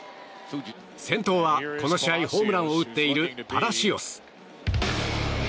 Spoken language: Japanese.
先頭はこの試合、ホームランを打っているパラシオス。